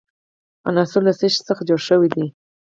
عنصر له څه شي څخه جوړ شوی دی.